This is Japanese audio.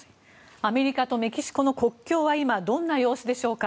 アメリカとメキシコの国境は今、どんな様子でしょうか。